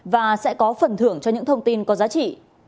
và sẽ có phần thưởng cho những thông tin có giá trị